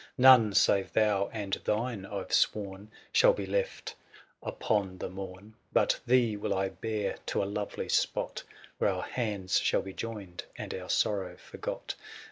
" None, save thou and thine, Fve sworn 640 " Shall be left upon the morn :.'^ But thee will I bear to a lovely spot, '* Where our hands shall be joined, and our sorrow forgot.